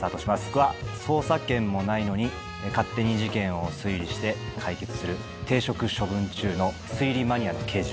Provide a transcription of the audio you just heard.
僕は捜査権もないのに勝手に事件を推理して解決する停職処分中の推理マニアの刑事を。